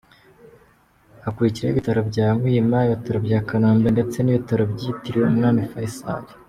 Hakurikiraho Ibitaro bya Muhima, Ibitaro bya Kanombe ndetse n’ibitaro byitiriwe Umwami Faisal.